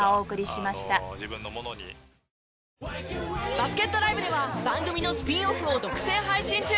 バスケットＬＩＶＥでは番組のスピンオフを独占配信中。